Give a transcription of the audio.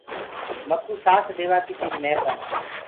مڪو سآٿ ديوآ ڪي تيري مهربآني